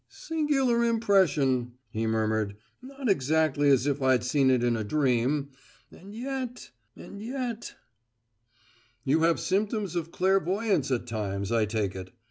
"Singular impression," he murmured. "Not exactly as if I'd seen it in a dream; and yet and yet " "You have symptoms of clairvoyance at times, I take it."